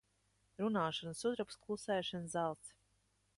Runāšana sudrabs, klusēšana zelts.